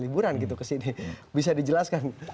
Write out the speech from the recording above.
liburan gitu ke sini bisa dijelaskan